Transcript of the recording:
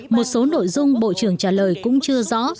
một số nội dung bộ trưởng trả lời cũng chưa rõ